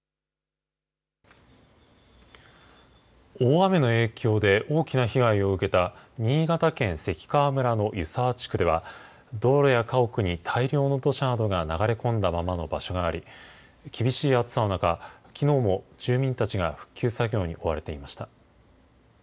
大雨の影響で大きな被害を受けた新潟県関川村の湯沢地区では、道路や家屋に大量の土砂などが流れ込んだままの場所があり、厳しい暑さの中、きのうも住民たちが復旧作業に追われていました。